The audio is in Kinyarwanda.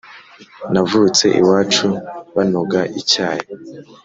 navutse iwacu banoga icyayi,